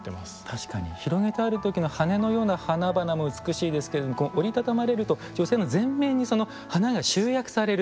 確かに広げてある時の羽のような花々も美しいですけれども折り畳まれると女性の前面に花が集約される